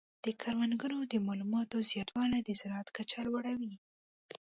د کروندګرو د معلوماتو زیاتوالی د زراعت کچه لوړه وي.